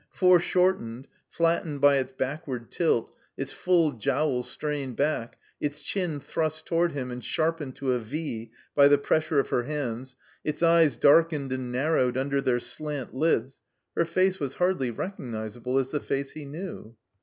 Foreshortened, flattened by its backward tilt, its full jowl strained back, its chin thrust tow ard him and sharpened to a V by the pressure of bet 193 THE COMBINED MAZE hands, its eyes darkened and narrowed under their slant lids, her face was hardly recognizable as the face he knew.